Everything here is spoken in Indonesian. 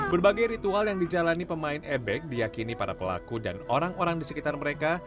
berbagai ritual yang dijalani pemain ebek diakini para pelaku dan orang orang di sekitar mereka